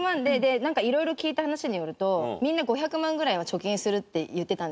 なんか色々聞いた話によるとみんな５００万ぐらいは貯金するって言ってたんですよ。